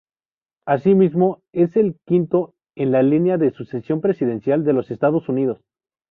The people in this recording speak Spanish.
Asimismo, es el quinto en la línea de sucesión presidencial de los Estados Unidos.